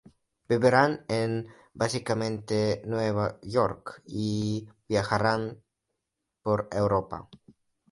Vivirán básicamente en Nueva York y viajarán por Europa.